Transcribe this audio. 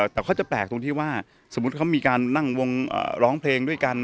แต่เขาจะแปลกตรงที่ว่าสมมุติเขามีการนั่งวงร้องเพลงด้วยกัน